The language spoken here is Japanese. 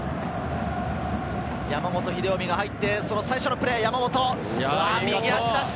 山本英臣が入って最初のプレー、右足を出した。